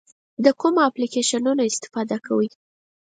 د کومو اپلیکیشنونو استفاده کوئ؟